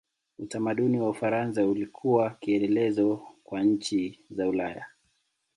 Utamaduni wa Ufaransa ulikuwa kielelezo kwa nchi za Ulaya.